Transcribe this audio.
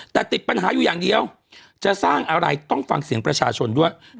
แต่ติดปัญหาอยู่อย่างเดียวจะสร้างอะไรต้องฟังเสียงประชาชนด้วย